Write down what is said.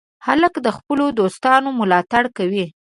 هلک د خپلو دوستانو ملاتړ کوي.